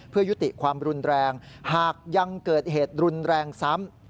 เพื่อยุติความรุนแรงหากยังเกิดเหตุรุนแรงซ้ำ